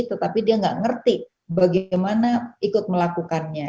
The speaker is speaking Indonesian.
tetapi dia nggak ngerti bagaimana ikut melakukannya